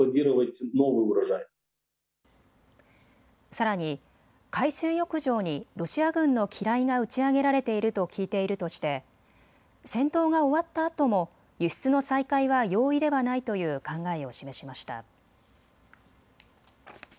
さらに海水浴場にロシア軍の機雷が打ち上げられていると聞いているとして戦闘が終わったあとも輸出の再開は容易ではないという考えを示しました。